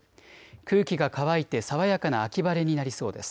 空気が乾いて爽やかな秋晴れになりそうです。